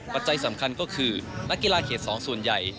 ปัจจัยสำคัญก็คือนักกีฬาเขต๒ส่วนใหญ่